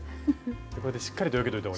こうやってしっかりとよけといた方が。